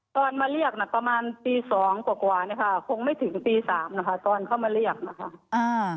ตอนมาเรียกน่ะประมาณตีสองกว่ากว่านะคะคงไม่ถึงตีสามนะคะตอนเข้ามาเรียกนะคะอ่า